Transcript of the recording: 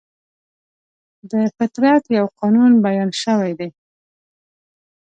د فطرت یو قانون بیان شوی دی.